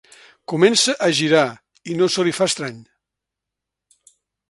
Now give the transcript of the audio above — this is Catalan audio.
Comença a girar i no se li fa estrany.